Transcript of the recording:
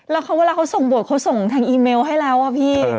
แล้วเวลาเขาส่งบทเขาส่งทางอีเมลให้แล้วอะพี่